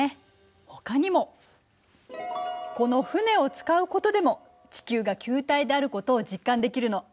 ほかにもこの船を使うことでも地球が球体であることを実感できるの。